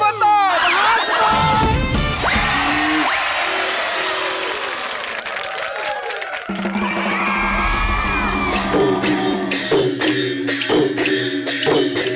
มาแล้วมาแล้วมาแล้ว